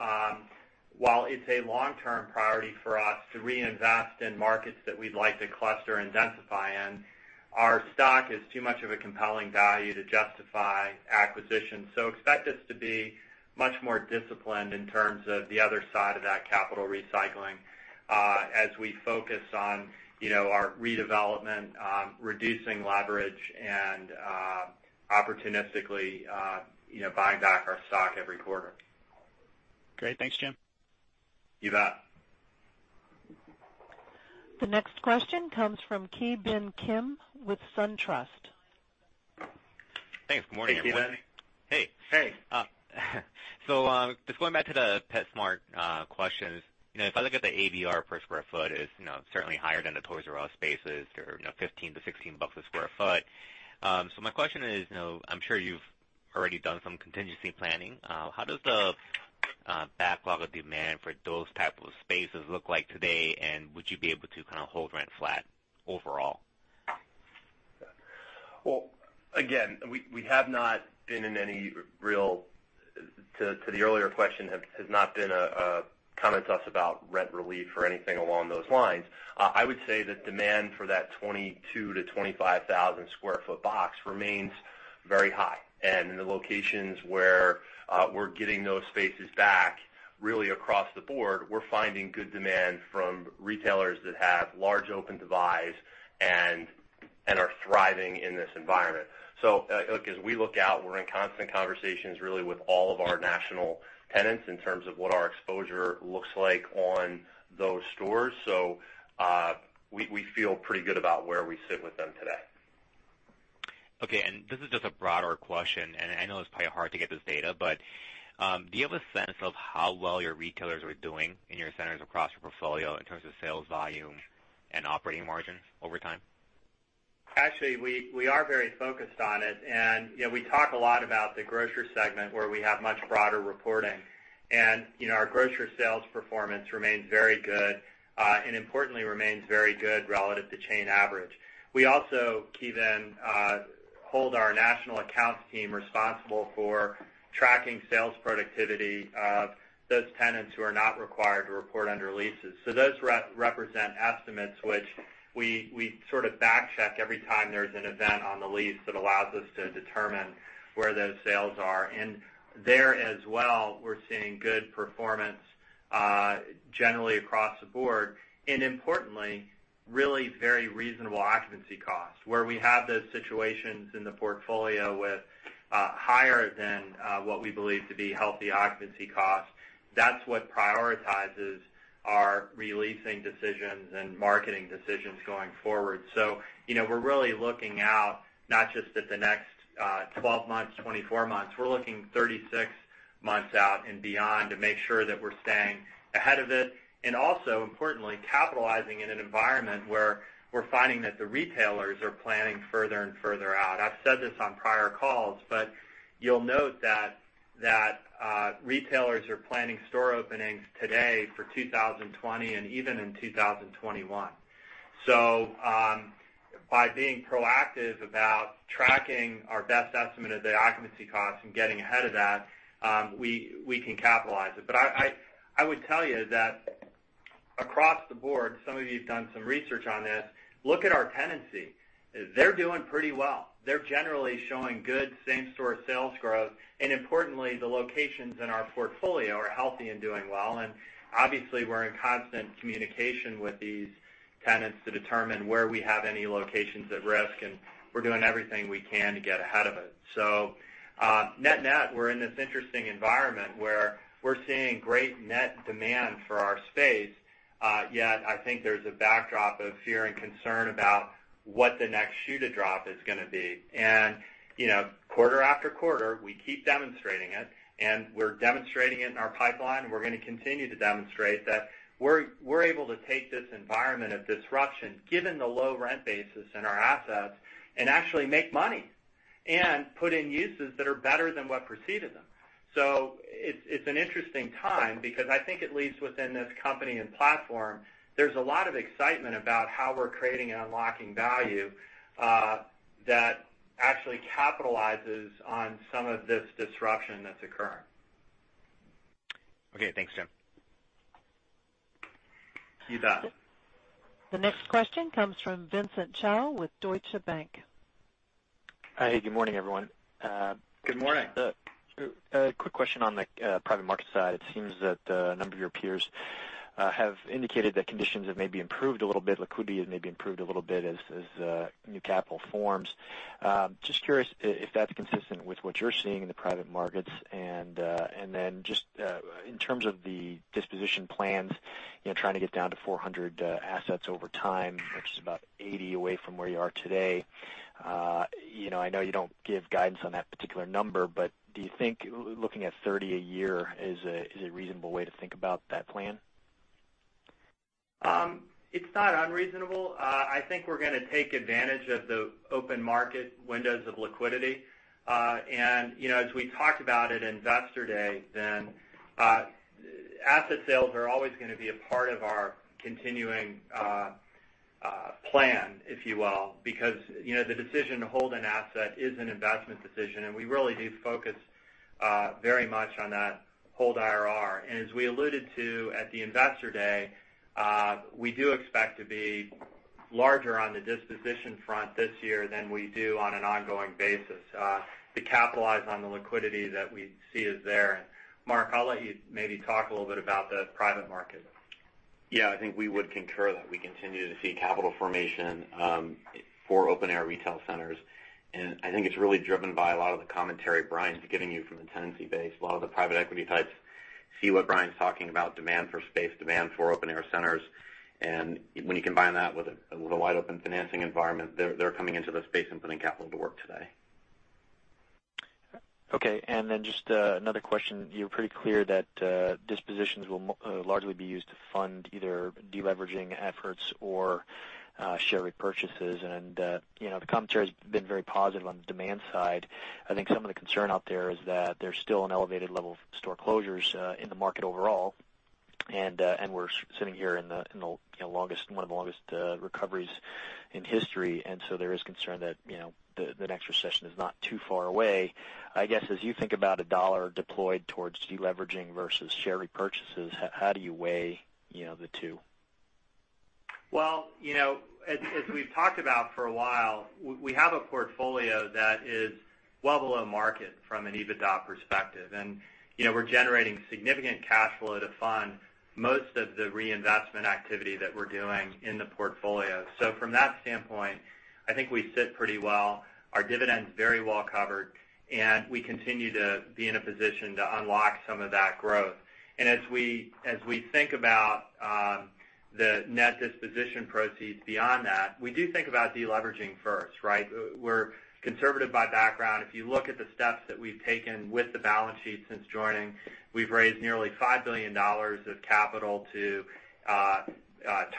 while it's a long-term priority for us to reinvest in markets that we'd like to cluster and densify in, our stock is too much of a compelling value to justify acquisition. Expect us to be much more disciplined in terms of the other side of that capital recycling as we focus on our redevelopment, reducing leverage, and opportunistically buying back our stock every quarter. Great. Thanks, Jim. You bet. The next question comes from Ki Bin Kim with SunTrust. Thanks. Good morning, everyone. Hey, Ki Bin. Hey. Hey. Just going back to the PetSmart questions. If I look at the ABR per square foot, it's certainly higher than the Toys R Us spaces. They're $15-$16 a square foot. My question is, I'm sure you've already done some contingency planning. How does the backlog of demand for those type of spaces look like today, and would you be able to kind of hold rent flat overall? Well, again, to the earlier question, there has not been a comment to us about rent relief or anything along those lines. I would say that demand for that 22,000 to 25,000 square foot box remains very high. In the locations where we're getting those spaces back, really across the board, we're finding good demand from retailers that have large open divides and are thriving in this environment. As we look out, we're in constant conversations really with all of our national tenants in terms of what our exposure looks like on those stores. We feel pretty good about where we sit with them today. Okay, and this is just a broader question, and I know it's probably hard to get this data, but do you have a sense of how well your retailers are doing in your centers across your portfolio in terms of sales volume and operating margins over time? Actually, we are very focused on it. We talk a lot about the grocery segment where we have much broader reporting. Our grocery sales performance remains very good, and importantly, remains very good relative to chain average. We also, Ki Bin, hold our national accounts team responsible for tracking sales productivity of those tenants who are not required to report under leases. Those represent estimates which we sort of back check every time there's an event on the lease that allows us to determine where those sales are. There as well, we're seeing good performance generally across the board, and importantly, really very reasonable occupancy costs. Where we have those situations in the portfolio with higher than what we believe to be healthy occupancy costs, that's what prioritizes our re-leasing decisions and marketing decisions going forward. We're really looking out not just at the next 12 months, 24 months. We're looking 36 months out and beyond to make sure that we're staying ahead of this, and also importantly, capitalizing in an environment where we're finding that the retailers are planning further and further out. I've said this on prior calls, but you'll note that retailers are planning store openings today for 2020 and even in 2021. By being proactive about tracking our best estimate of the occupancy costs and getting ahead of that, we can capitalize it. I would tell you that across the board, some of you have done some research on this, look at our tenancy. They're doing pretty well. They're generally showing good same-store sales growth, and importantly, the locations in our portfolio are healthy and doing well. Obviously, we're in constant communication with these tenants to determine where we have any locations at risk, and we're doing everything we can to get ahead of it. Net-net, we're in this interesting environment where we're seeing great net demand for our space, yet I think there's a backdrop of fear and concern about what the next shoe to drop is going to be. Quarter after quarter, we keep demonstrating it, and we're demonstrating it in our pipeline. We're going to continue to demonstrate that we're able to take this environment of disruption, given the low rent basis in our assets, and actually make money and put in uses that are better than what preceded them. It's an interesting time because I think at least within this company and platform, there's a lot of excitement about how we're creating and unlocking value that actually capitalizes on some of this disruption that's occurring. Okay. Thanks, Jim. You bet. The next question comes from Vincent Chao with Deutsche Bank. Hi, good morning, everyone. Good morning. A quick question on the private market side. It seems that a number of your peers have indicated that conditions have maybe improved a little bit, liquidity has maybe improved a little bit as new capital forms. Just curious if that's consistent with what you're seeing in the private markets. Just in terms of the disposition plans, trying to get down to 400 assets over time, which is about 80 away from where you are today. I know you don't give guidance on that particular number, but do you think looking at 30 a year is a reasonable way to think about that plan? It's not unreasonable. I think we're going to take advantage of the open market windows of liquidity. As we talked about at Investor Day, asset sales are always going to be a part of our continuing plan, if you will, because the decision to hold an asset is an investment decision, and we really do focus very much on that hold IRR. As we alluded to at the Investor Day, we do expect to be larger on the disposition front this year than we do on an ongoing basis to capitalize on the liquidity that we see is there. Mark, I'll let you maybe talk a little bit about the private market. Yeah, I think we would concur that we continue to see capital formation for open-air retail centers. I think it's really driven by a lot of the commentary Brian's giving you from the tenancy base. A lot of the private equity types see what Brian's talking about, demand for space, demand for open-air centers, when you combine that with a wide-open financing environment, they're coming into the space and putting capital to work today. Okay, just another question. You're pretty clear that dispositions will largely be used to fund either de-leveraging efforts or share repurchases. The commentary has been very positive on the demand side. I think some of the concern out there is that there's still an elevated level of store closures in the market overall. We're sitting here in one of the longest recoveries in history, there is concern that the next recession is not too far away. I guess, as you think about a $1 deployed towards de-leveraging versus share repurchases, how do you weigh the two? Well, as we've talked about for a while, we have a portfolio that is well below market from an EBITDA perspective. We're generating significant cash flow to fund most of the reinvestment activity that we're doing in the portfolio. From that standpoint, I think we sit pretty well. Our dividend's very well covered, we continue to be in a position to unlock some of that growth. As we think about the net disposition proceeds beyond that, we do think about de-leveraging first, right? We're conservative by background. If you look at the steps that we've taken with the balance sheet since joining, we've raised nearly $5 billion of capital to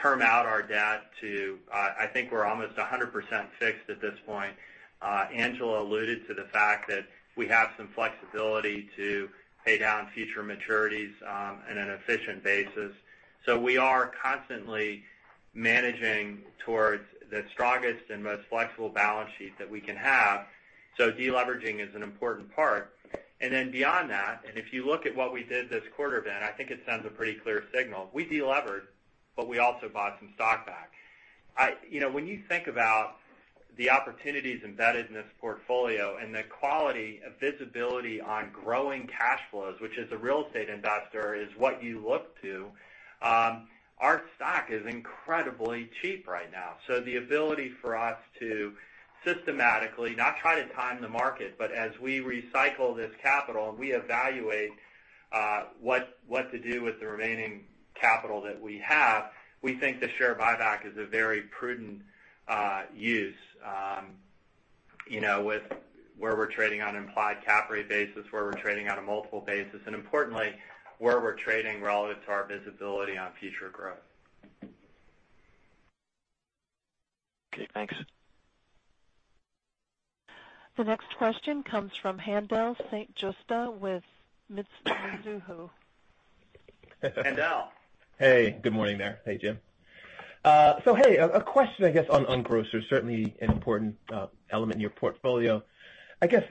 term out our debt to, I think, we're almost 100% fixed at this point. Angela alluded to the fact that we have some flexibility to pay down future maturities in an efficient basis. We are constantly managing towards the strongest and most flexible balance sheet that we can have. De-leveraging is an important part. Beyond that, if you look at what we did this quarter, Vince, I think it sends a pretty clear signal. We de-levered, we also bought some stock back. When you think about the opportunities embedded in this portfolio and the quality of visibility on growing cash flows, which as a real estate investor is what you look to, our stock is incredibly cheap right now. The ability for us to systematically, not try to time the market, but as we recycle this capital and we evaluate what to do with the remaining capital that we have, we think the share buyback is a very prudent use with where we're trading on an implied cap rate basis, where we're trading on a multiple basis, and importantly, where we're trading relative to our visibility on future growth. Okay, thanks. The next question comes from Haendel St. Juste with Mizuho. Haendel. Hey, good morning there. Hey, Jim. A question, I guess, on grocers, certainly an important element in your portfolio. I guess,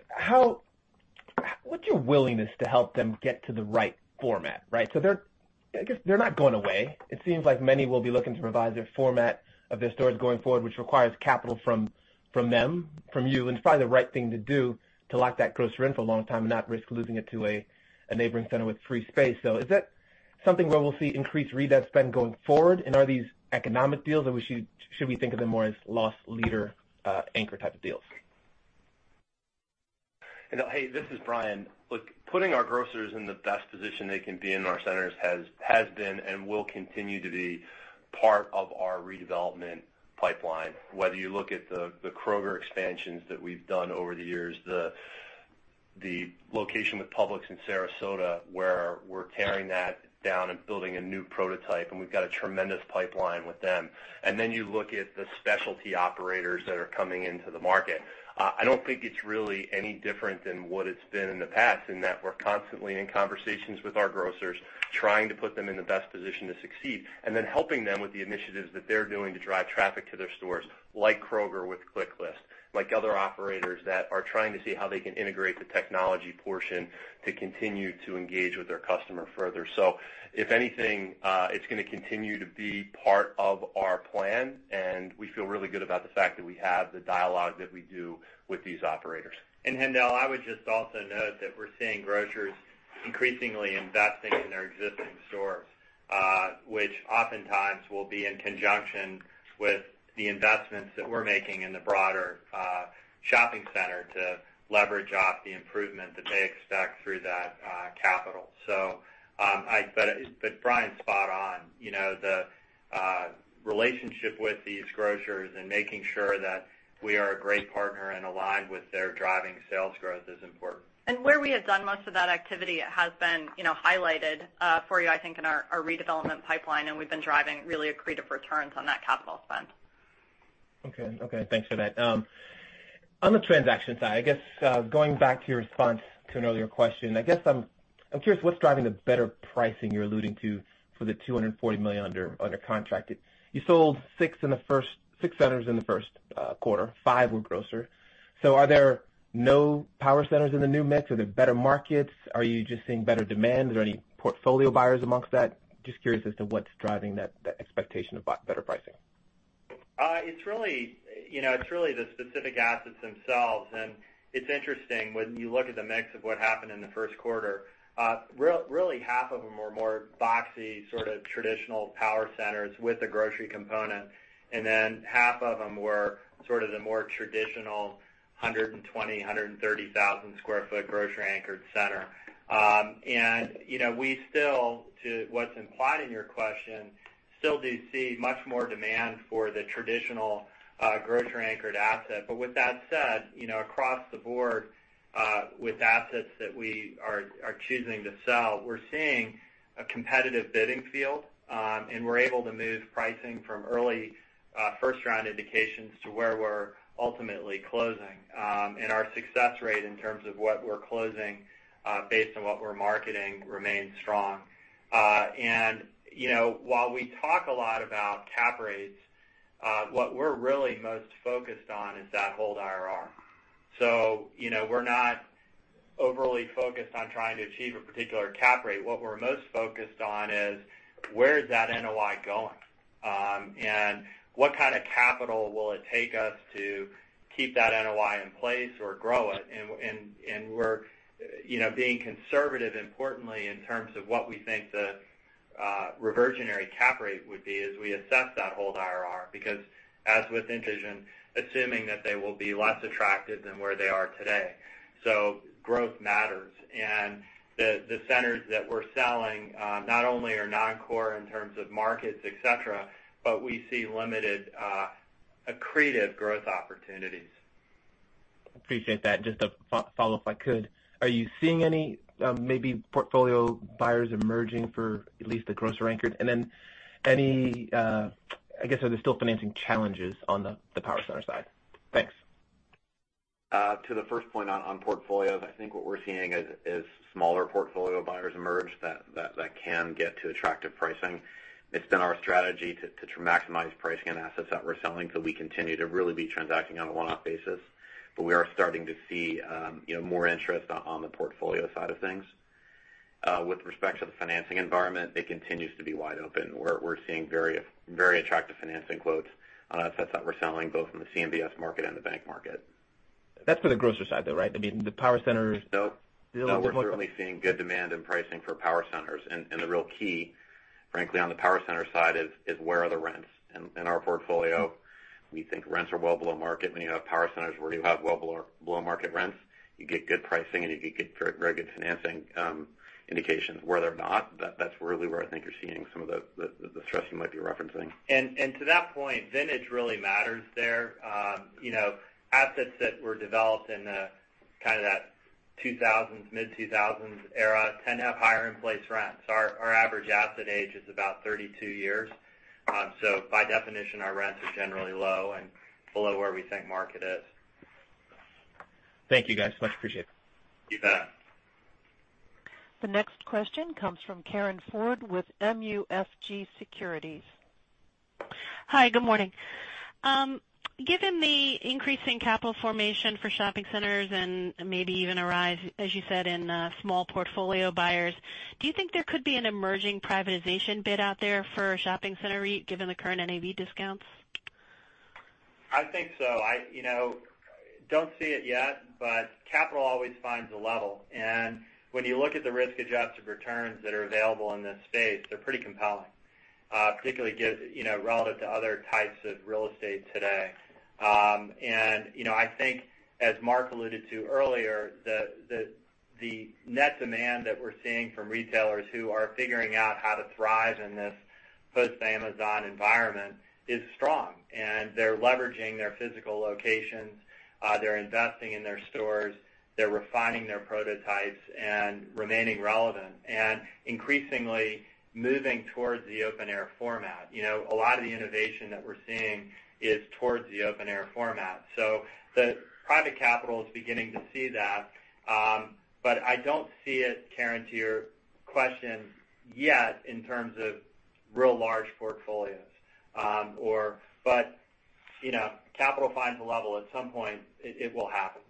what's your willingness to help them get to the right format? Right? They're not going away. It seems like many will be looking to revise their format of their stores going forward, which requires capital from them, from you, and it's probably the right thing to do to lock that grocer in for a long time and not risk losing it to a neighboring center with free space. Is that something where we'll see increased redev spend going forward? Are these economic deals, or should we think of them more as loss leader, anchor type of deals? Haendel, hey, this is Brian. Look, putting our grocers in the best position they can be in our centers has been and will continue to be part of our redevelopment pipeline. Whether you look at the Kroger expansions that we've done over the years, the location with Publix in Sarasota, where we're tearing that down and building a new prototype, and we've got a tremendous pipeline with them. Then you look at the specialty operators that are coming into the market. I don't think it's really any different than what it's been in the past, in that we're constantly in conversations with our grocers, trying to put them in the best position to succeed, then helping them with the initiatives that they're doing to drive traffic to their stores, like Kroger with ClickList, like other operators that are trying to see how they can integrate the technology portion to continue to engage with their customer further. If anything, it's going to continue to be part of our plan, we feel really good about the fact that we have the dialogue that we do with these operators. Haendel, I would just also note that we're seeing grocers increasingly investing in their existing stores, which oftentimes will be in conjunction with the investments that we're making in the broader shopping center to leverage off the improvement that they expect through that capital. Brian's spot on. The relationship with these grocers and making sure that we are a great partner and aligned with their driving sales growth is important. Where we have done most of that activity, it has been highlighted for you, I think, in our redevelopment pipeline, and we've been driving really accretive returns on that capital spend. Okay. Thanks for that. On the transaction side, I guess, going back to your response to an earlier question, I guess I'm curious what's driving the better pricing you're alluding to for the $240 million under contract. You sold six centers in the first quarter. Five were grocer. Are there no power centers in the new mix? Are there better markets? Are you just seeing better demand? Is there any portfolio buyers amongst that? Just curious as to what's driving that expectation of better pricing. It's really the specific assets themselves, it's interesting when you look at the mix of what happened in the first quarter. Really half of them were more boxy, sort of traditional power centers with a grocery component, then half of them were sort of the more traditional 120,000, 130,000 sq ft grocery anchored center. We still, to what's implied in your question, still do see much more demand for the traditional grocery anchored asset. With that said, across the board, with assets that we are choosing to sell, we're seeing a competitive bidding field, and we're able to move pricing from early first-round indications to where we're ultimately closing. Our success rate in terms of what we're closing based on what we're marketing remains strong. While we talk a lot about cap rates, what we're really most focused on is that hold IRR. We're not overly focused on trying to achieve a particular cap rate. What we're most focused on is where is that NOI going, and what kind of capital will it take us to keep that NOI in place or grow it? We're being conservative, importantly, in terms of what we think the reversionary cap rate would be as we assess that hold IRR, because as with Intrigent, assuming that they will be less attractive than where they are today. Growth matters. The centers that we're selling not only are non-core in terms of markets, et cetera, but we see limited accretive growth opportunities. Appreciate that. Just to follow up, if I could. Are you seeing any, maybe portfolio buyers emerging for at least the grocer anchor? Are there still financing challenges on the power center side? Thanks. To the first point on portfolios, I think what we're seeing is smaller portfolio buyers emerge that can get to attractive pricing. It's been our strategy to maximize pricing on assets that we're selling. We continue to really be transacting on a one-off basis. We are starting to see more interest on the portfolio side of things. With respect to the financing environment, it continues to be wide open. We're seeing very attractive financing quotes on assets that we're selling, both in the CMBS market and the bank market. That's for the grocer side, though, right? I mean, the power center- No. We're certainly seeing good demand in pricing for power centers. The real key, frankly, on the power center side is where are the rents. In our portfolio, we think rents are well below market. When you have power centers where you have well below market rents, you get good pricing and you get very good financing indications. Where they're not, that's really where I think you're seeing some of the stress you might be referencing. To that point, vintage really matters there. Assets that were developed in kind of that 2000s, mid-2000s era tend to have higher in-place rents. Our average asset age is about 32 years. By definition, our rents are generally low and below where we think market is. Thank you, guys. Much appreciated. You bet. The next question comes from Karen Ford with MUFG Securities. Hi, good morning. Given the increasing capital formation for shopping centers and maybe even a rise, as you said, in small portfolio buyers, do you think there could be an emerging privatization bid out there for a shopping center REIT, given the current NAV discounts? I think so. I don't see it yet, capital always finds a level. When you look at the risk-adjusted returns that are available in this space, they're pretty compelling, particularly relative to other types of real estate today. I think, as Mark alluded to earlier, the net demand that we're seeing from retailers who are figuring out how to thrive in this post-Amazon environment is strong. They're leveraging their physical locations. They're investing in their stores. They're refining their prototypes and remaining relevant, and increasingly moving towards the open-air format. A lot of the innovation that we're seeing is towards the open-air format. The private capital is beginning to see that. I don't see it, Karen, to your question, yet, in terms of real large portfolios. Capital finds a level. At some point, it will happen.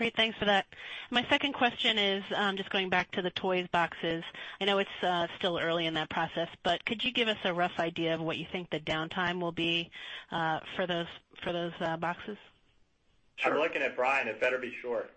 Great. Thanks for that. My second question is just going back to the Toys boxes. I know it's still early in that process, could you give us a rough idea of what you think the downtime will be for those boxes? I'm looking at Brian. It better be short.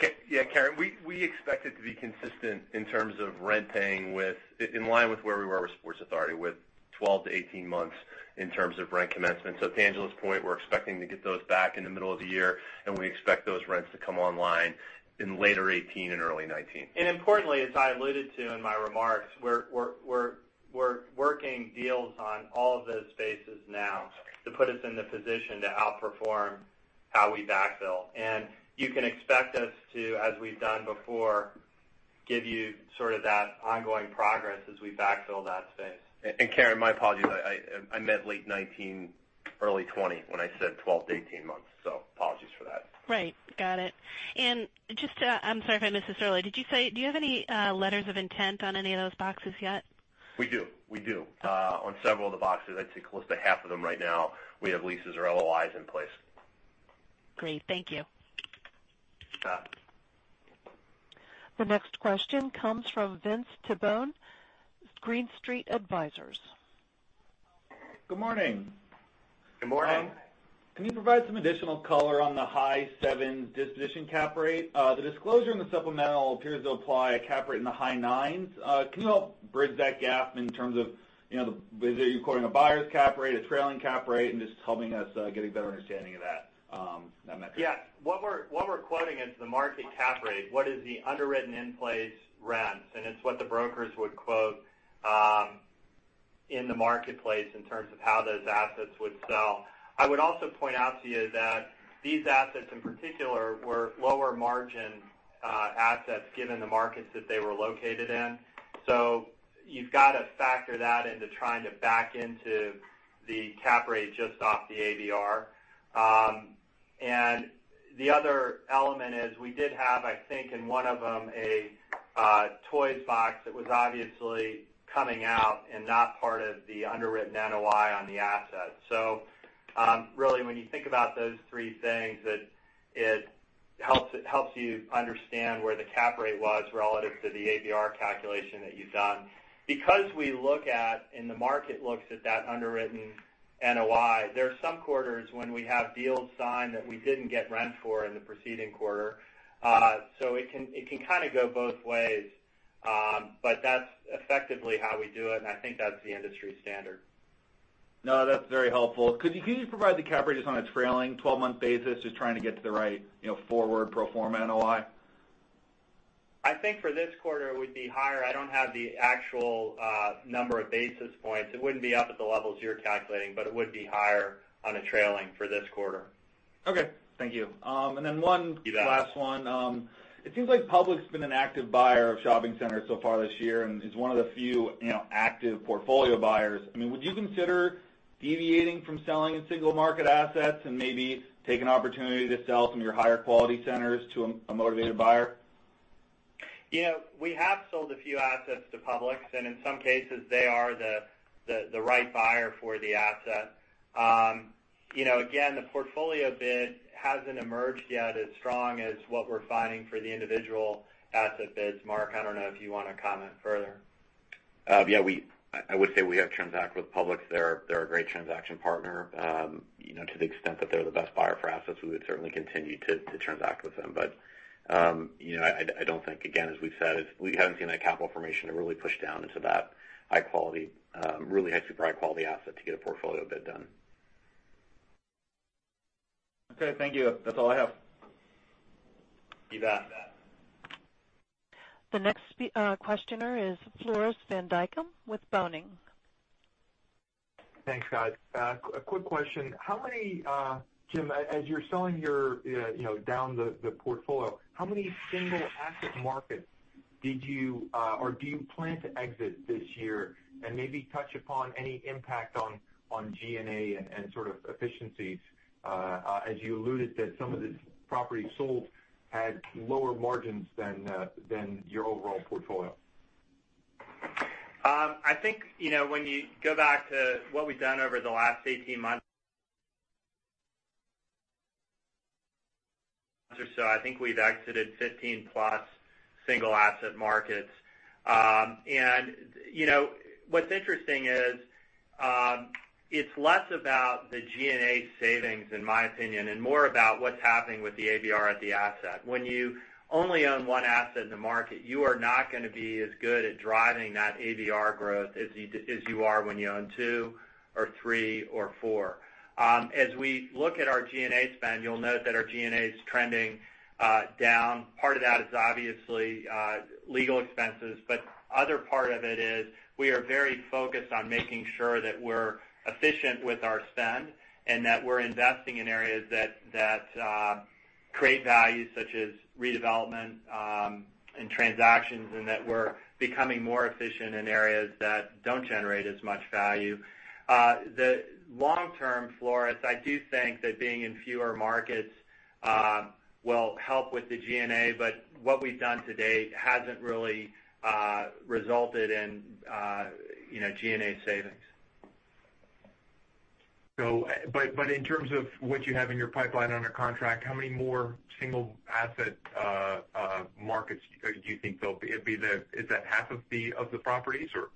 Karen, we expect it to be consistent in terms of renting with, in line with where we were with Sports Authority, with 12 to 18 months in terms of rent commencement. To Angela's point, we're expecting to get those back in the middle of the year. We expect those rents to come online in later 2018 and early 2019. Importantly, as I alluded to in my remarks, we're working deals on all of those spaces now to put us in the position to outperform how we backfill. You can expect us to, as we've done before, give you sort of that ongoing progress as we backfill that space. Karen, my apologies. I meant late 2019, early 2020 when I said 12 to 18 months. Apologies for that. Right. Got it. I'm sorry if I missed this earlier. Did you say, do you have any letters of intent on any of those boxes yet? We do. We do. On several of the boxes, I'd say close to half of them right now, we have leases or LOIs in place. Great. Thank you. You bet. The next question comes from Vincent Tabone, Green Street Advisors. Good morning. Good morning. Can you provide some additional color on the high-sevens disposition cap rate? The disclosure in the supplemental appears to apply a cap rate in the high nines. Can you help bridge that gap in terms of whether you're quoting a buyer's cap rate, a trailing cap rate, and just helping us get a better understanding of that metric? Yeah. What we're quoting is the market cap rate, what is the underwritten in-place rents, and it's what the brokers would quote in the marketplace in terms of how those assets would sell. I would also point out to you that these assets, in particular, were lower margin assets given the markets that they were located in. You've got to factor that into trying to back into the cap rate just off the ABR. And the other element is we did have, I think, in one of them, a Toys box that was obviously coming out and not part of the underwritten NOI on the asset. Really when you think about those three things, it helps you understand where the cap rate was relative to the ABR calculation that you've done. We look at, and the market looks at that underwritten NOI, there are some quarters when we have deals signed that we didn't get rent for in the preceding quarter. It can kind of go both ways. That's effectively how we do it, and I think that's the industry standard. That's very helpful. Could you please provide the cap rates on a trailing 12-month basis, just trying to get to the right forward pro forma NOI? I think for this quarter, it would be higher. I don't have the actual number of basis points. It wouldn't be up at the levels you're calculating, it would be higher on a trailing for this quarter. Thank you. You bet. One last one. It seems like Publix has been an active buyer of shopping centers so far this year and is one of the few active portfolio buyers. I mean, would you consider deviating from selling single market assets and maybe take an opportunity to sell some of your higher quality centers to a motivated buyer? We have sold a few assets to Publix. In some cases, they are the right buyer for the asset. Again, the portfolio bid hasn't emerged yet as strong as what we're finding for the individual asset bids. Mark, I don't know if you want to comment further. Yeah, I would say we have transacted with Publix. They're a great transaction partner. To the extent that they're the best buyer for assets, we would certainly continue to transact with them. I don't think, again, as we've said, we haven't seen that capital formation to really push down into that high quality, really high, super high quality asset to get a portfolio bid done. Okay, thank you. That's all I have. You bet. The next questioner is Floris van Dijkum with Boenning. Thanks, guys. A quick question. Jim, as you're selling down the portfolio, how many single asset markets did you or do you plan to exit this year? Maybe touch upon any impact on G&A and sort of efficiencies, as you alluded that some of the properties sold had lower margins than your overall portfolio. When you go back to what we've done over the last 18 months or so, I think we've exited 15-plus single asset markets. What's interesting is, it's less about the G&A savings, in my opinion, and more about what's happening with the ABR at the asset. When you only own one asset in the market, you are not going to be as good at driving that ABR growth as you are when you own two or three or four. As we look at our G&A spend, you'll note that our G&A is trending down. Part of that is obviously legal expenses, but other part of it is we are very focused on making sure that we're efficient with our spend and that we're investing in areas that create value, such as redevelopment, and transactions, and that we're becoming more efficient in areas that don't generate as much value. The long term, Floris, I do think that being in fewer markets will help with the G&A, but what we've done to date hasn't really resulted in G&A savings. In terms of what you have in your pipeline under contract, how many more single asset markets do you think there'll be? Is that half of the properties, or?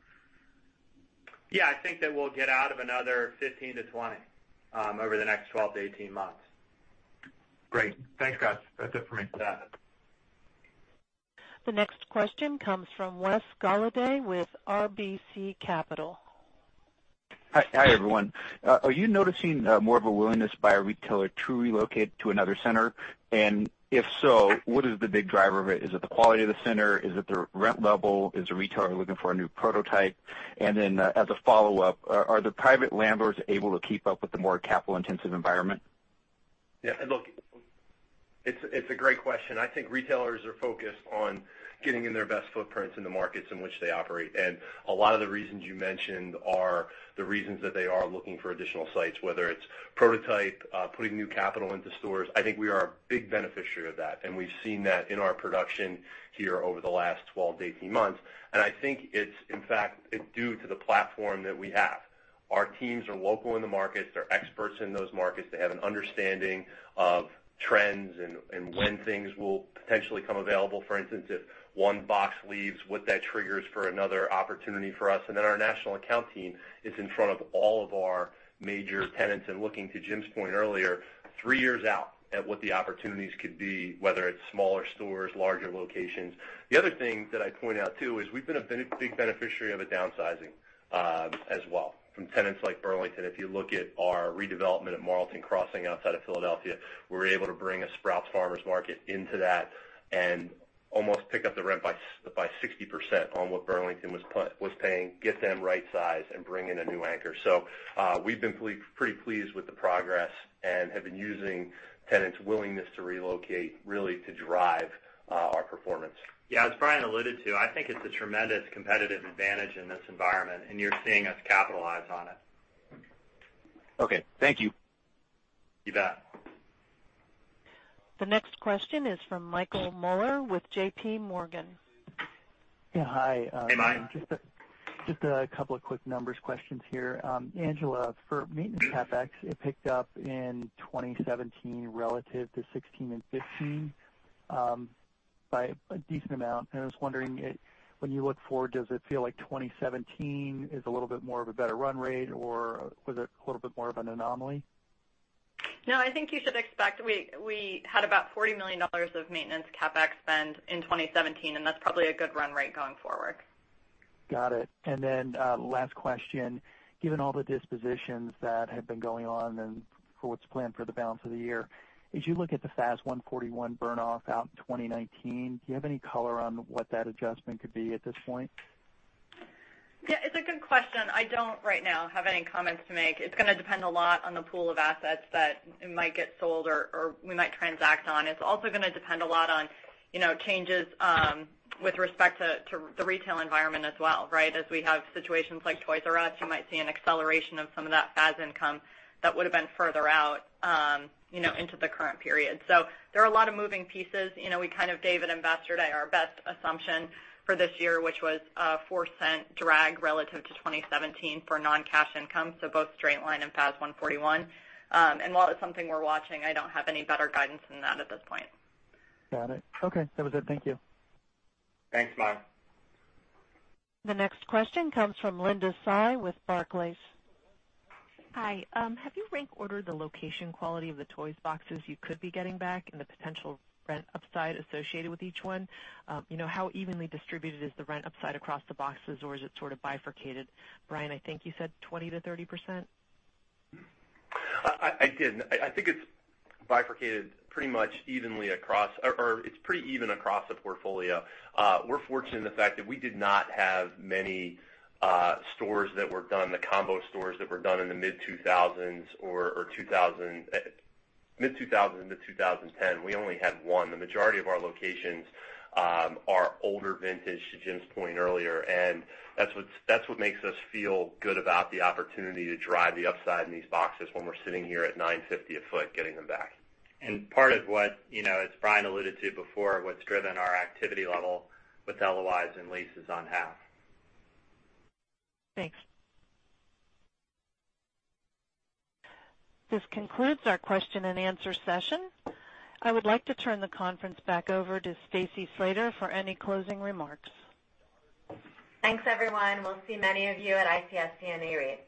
I think that we'll get out of another 15 to 20 over the next 12 to 18 months. Great. Thanks, guys. That's it for me. You bet. The next question comes from Wes Golladay with RBC Capital. Hi, everyone. Are you noticing more of a willingness by a retailer to relocate to another center? If so, what is the big driver of it? Is it the quality of the center? Is it the rent level? Is the retailer looking for a new prototype? As a follow-up, are the private landlords able to keep up with the more capital-intensive environment? Yeah, look, it's a great question. I think retailers are focused on getting in their best footprints in the markets in which they operate. A lot of the reasons you mentioned are the reasons that they are looking for additional sites, whether it's prototype, putting new capital into stores. I think we are a big beneficiary of that, and we've seen that in our production here over the last 12 to 18 months. I think it's, in fact, due to the platform that we have. Our teams are local in the markets. They're experts in those markets. They have an understanding of trends and when things will potentially come available. For instance, if one box leaves, what that triggers for another opportunity for us. Our national account team is in front of all of our major tenants and looking to Jim's point earlier, three years out at what the opportunities could be, whether it's smaller stores, larger locations. The other thing that I'd point out, too, is we've been a big beneficiary of a downsizing as well from tenants like Burlington. If you look at our redevelopment at Marlton Crossing outside of Philadelphia, we were able to bring a Sprouts Farmers Market into that and almost pick up the rent by 60% on what Burlington was paying, get them right-sized, and bring in a new anchor. We've been pretty pleased with the progress and have been using tenants' willingness to relocate, really to drive our performance. Yeah. As Brian alluded to, I think it's a tremendous competitive advantage in this environment, you're seeing us capitalize on it. Okay. Thank you. You bet. The next question is from Michael Mueller with JPMorgan. Yeah. Hi. Hey, Mike. Just a couple of quick numbers questions here. Angela, for maintenance CapEx, it picked up in 2017 relative to 2016 and 2015 by a decent amount. I was wondering, when you look forward, does it feel like 2017 is a little bit more of a better run rate, or was it a little bit more of an anomaly? No, I think you should expect, we had about $40 million of maintenance CapEx spend in 2017, and that's probably a good run rate going forward. Got it. Last question. Given all the dispositions that have been going on and for what's planned for the balance of the year, as you look at the FAS 141 burn-off out in 2019, do you have any color on what that adjustment could be at this point? Yeah, it's a good question. I don't right now have any comments to make. It's going to depend a lot on the pool of assets that might get sold or we might transact on. It's also going to depend a lot on changes with respect to the retail environment as well, right? As we have situations like Toys R Us, you might see an acceleration of some of that FAS income that would've been further out into the current period. There are a lot of moving pieces. We kind of gave an investor our best assumption for this year, which was a $0.04 drag relative to 2017 for non-cash income, so both straight-line and FAS 141. While it's something we're watching, I don't have any better guidance than that at this point. Got it. Okay. That was it. Thank you. Thanks, Mike. The next question comes from Linda Tsai with Barclays. Hi. Have you rank ordered the location quality of the Toys boxes you could be getting back and the potential rent upside associated with each one? How evenly distributed is the rent upside across the boxes, or is it sort of bifurcated? Brian, I think you said 20%-30%? I did. I think it's bifurcated pretty much evenly across, or it's pretty even across the portfolio. We're fortunate in the fact that we did not have many stores that were done, the combo stores that were done in the mid-2000s or mid-2000 to 2010. We only had one. The majority of our locations are older vintage, to Jim's point earlier, and that's what makes us feel good about the opportunity to drive the upside in these boxes when we're sitting here at $950 a foot getting them back. Part of what, as Brian alluded to before, what's driven our activity level with LOIs and leases on half. Thanks. This concludes our question and answer session. I would like to turn the conference back over to Stacy Slater for any closing remarks. Thanks, everyone. We'll see many of you at ICSC and Nareit.